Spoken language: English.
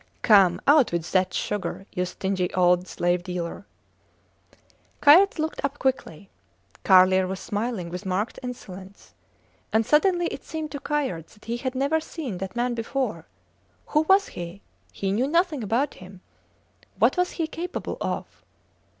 Come! out with that sugar, you stingy old slave dealer. Kayerts looked up quickly. Carlier was smiling with marked insolence. And suddenly it seemed to Kayerts that he had never seen that man before. Who was he? He knew nothing about him. What was he capable of?